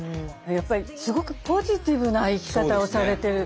やっぱりすごくポジティブな生き方をされてる。